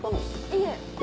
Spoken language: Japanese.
いえ。